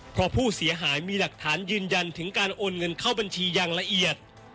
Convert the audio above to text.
เพราะผู้เสียหายมีหลักฐานยืนยันถึงการโอนเงินเข้าบัญชีอย่างละเอียด